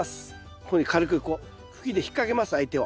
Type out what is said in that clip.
こういうふうに軽くこう茎で引っ掛けます相手を。